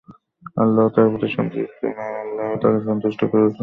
আল্লাহ তার প্রতি সন্তুষ্ট হয়েছেন আর আল্লাহও তাকে সন্তুষ্ট করেছেন।